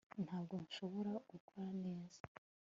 ntabwo nshobora gukora neza